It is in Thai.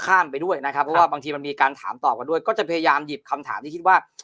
ไปด้วยนะครับเพราะว่าบางทีมันมีการถามตอบกันด้วยก็จะพยายามหยิบคำถามที่คิดว่า